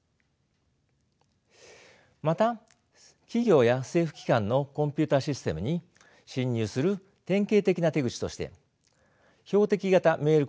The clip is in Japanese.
また企業や政府機関のコンピューターシステムに侵入する典型的な手口として標的型メール攻撃があります。